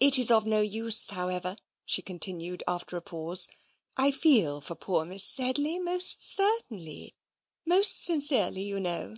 It is of no use, however," she continued, after a pause; "I feel for poor Miss Sedley, most certainly most sincerely, you know.